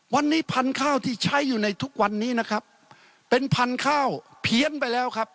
วันนี้พันธุ์ข้าวที่ใช้อยู่ในทุกวันนี้นะครับเป็นพันธุ์ข้าวเพี้ยนไปแล้วครับ